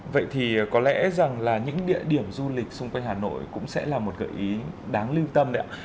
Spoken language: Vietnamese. vậy thì có lẽ rằng là những địa điểm du lịch xung quanh hà nội cũng sẽ là một gợi ý đáng lưu tâm đấy ạ